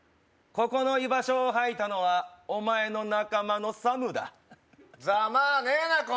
ここの居場所をはいたのはお前の仲間のサムだざまあねえな